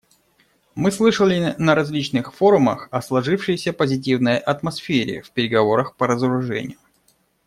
Мы слышали на различных форумах о сложившейся позитивной атмосфере в переговорах по разоружению.